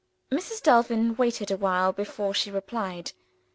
Mrs. Delvin waited a while before she replied.